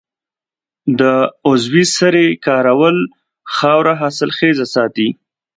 د عضوي سرې کارول خاوره حاصلخیزه ساتي.